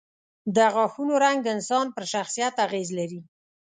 د غاښونو رنګ د انسان پر شخصیت اغېز لري.